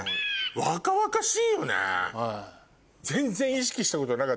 若々しいよね。